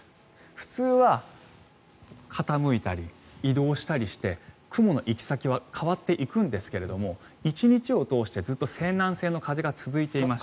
普通は傾いたり移動したりして雲の行き先は変わっていくんですが１日を通して、ずっと西南西の風が続いていました。